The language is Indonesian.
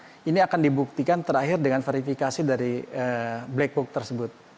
nah ini akan dibuktikan terakhir dengan verifikasi dari black box tersebut